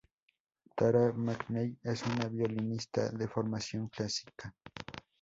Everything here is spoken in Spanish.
Tara McNeill es una violinista de formación clásica.